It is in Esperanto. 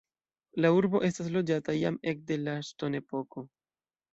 La urbo estas loĝata jam ekde la ŝtonepoko.